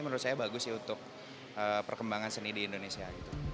menurut saya bagus sih untuk perkembangan seni di indonesia